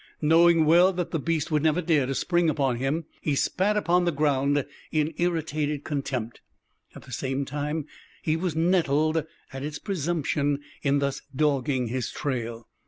Knowing well that the beast would never dare to spring upon him, he spat upon the ground in irritated contempt. At the same time he was nettled at its presumption in thus dogging his trail.